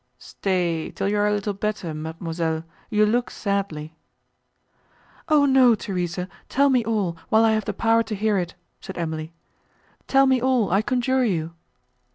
"Stay, till you are a little better, mademoiselle, you look sadly!" "O no, Theresa, tell me all, while I have the power to hear it," said Emily, "tell me all, I conjure you!"